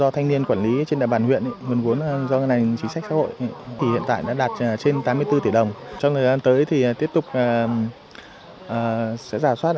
tiếp tục giả soát